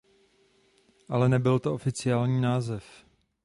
Ale nebyl to oficiální název.